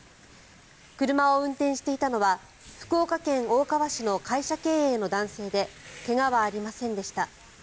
車を運転していたのは福岡県大川市の会社経営の男性で怪我はありませんでした。